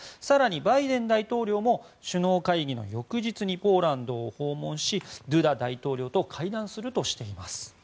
更にバイデン大統領も首脳会議の翌日にポーランドを訪問しドゥダ大統領と会談するとしています。